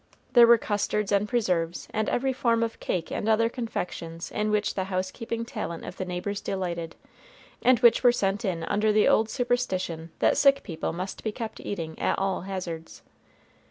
There were custards and preserves, and every form of cake and other confections in which the housekeeping talent of the neighbors delighted, and which were sent in under the old superstition that sick people must be kept eating at all hazards.